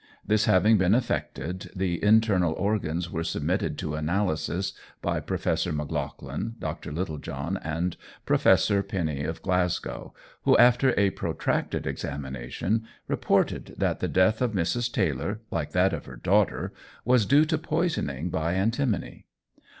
This having been effected, the internal organs were submitted to analysis by Professor Maclagan, Dr. Littlejohn, and Professor Penny of Glasgow, who, after a protracted examination, reported that the death of Mrs. Taylor, like that of her daughter, was due to poisoning by antimony.